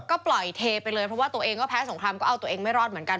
ก็ปล่อยเทไปเลยเพราะว่าตัวเองก็แพ้สงครามก็เอาตัวเองไม่รอดเหมือนกัน